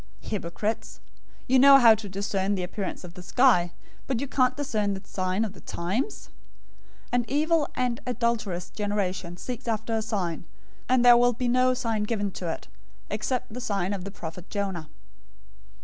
Hypocrites! You know how to discern the appearance of the sky, but you can't discern the signs of the times! 016:004 An evil and adulterous generation seeks after a sign, and there will be no sign given to it, except the sign of the prophet Jonah."